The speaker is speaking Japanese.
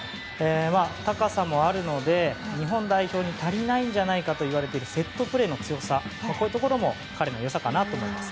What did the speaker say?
高さもあるので日本代表に足りないんじゃないかといわれているセットプレーの強さも彼の良さかなと思います。